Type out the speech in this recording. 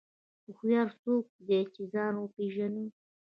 هوښیار څوک دی چې ځان وپېژني.